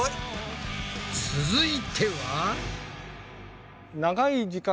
続いては？